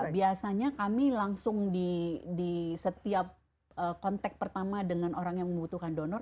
biasanya kami langsung di setiap kontak pertama dengan orang yang membutuhkan donor